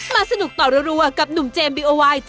มาสนุกตอบรั้วกับหนุ่มเจมส์บีโอไวท์